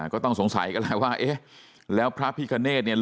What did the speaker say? ก็ต้องสงสัยกันแหละว่าเอ๊ะแล้วพระพิคเนธเนี่ย